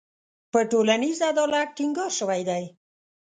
په ټولنیز عدالت ټینګار شوی دی.